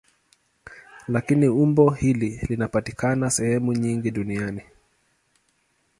Lakini umbo hili linapatikana sehemu nyingi duniani.